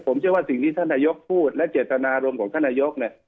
ผมเชื่อว่าสิ่งที่ท่านนายกพูดและเจตนารมณ์ของท่านนายกเนี่ย